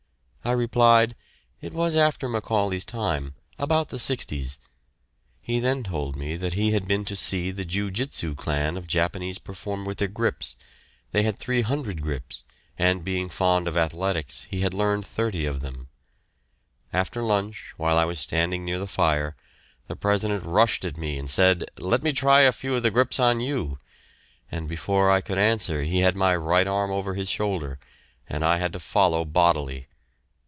I replied, "It was after Macaulay's time; about the 'sixties." He then told me that he had been to see the Jiu jitsu clan of Japanese perform with their grips; they had 300 grips, and being fond of athletics he had learned thirty of them. After lunch, while I was standing near the fire, the President rushed at me and said, "Let me try a few of the grips on you," and before I could answer he had my right arm over his shoulder, and I had to follow bodily.